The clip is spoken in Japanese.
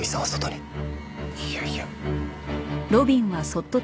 いやいや。